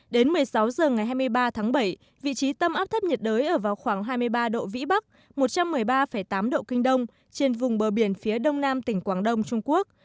đến một mươi sáu h ngày hai mươi ba tháng bảy vị trí tâm áp thấp nhiệt đới ở vào khoảng hai mươi ba độ vĩ bắc một trăm một mươi ba tám độ kinh đông trên vùng bờ biển phía đông nam tỉnh quảng đông trung quốc